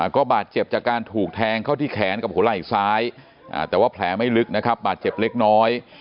ก็บาดเจ็บจากการถูกแทงเข้าที่แขนกับหัวไหล่ซ้ายแต่ว่าแผลไม่ลึกนะครับบาดเจ็บเล็กน้อย